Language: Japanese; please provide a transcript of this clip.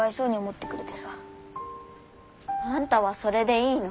あんたはそれでいいの？